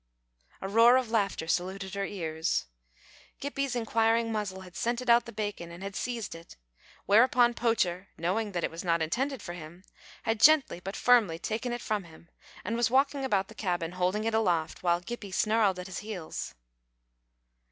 A roar of laughter saluted her ears. Gippie's inquiring muzzle had scented out the bacon and had seized it, whereupon Poacher, knowing that it was not intended for him, had gently but firmly taken it from him, and was walking about the cabin, holding it aloft, while Gippie snarled at his heels.